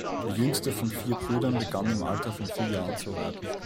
Der jüngste von vier Brüdern begann im Alter von vier Jahren zu reiten.